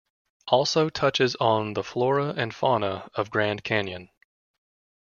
Also touches on the flora and fauna of Grand Canyon.